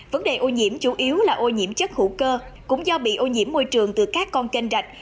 vấn đề ô nhiễm chủ yếu là ô nhiễm chất hữu cơ cũng do bị ô nhiễm môi trường từ các con kênh rạch